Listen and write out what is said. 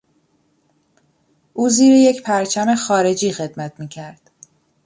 او زیر یک پرچم خارجی خدمت میکرد.